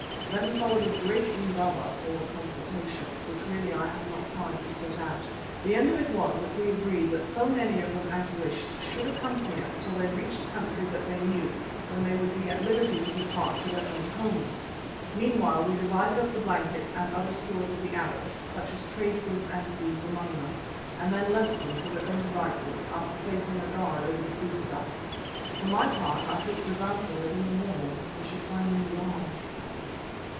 Then followed a great indaba, or consultation, which really I have not time to set out. The end of it was that we agreed that so many of them as wished should accompany us till they reached country that they knew, when they would be at liberty to depart to their own homes. Meanwhile we divided up the blankets and other stores of the Arabs, such as trade goods and beads, among them, and then left them to their own devices, after placing a guard over the foodstuffs. For my part I hoped devoutly that in the morning we should find them gone.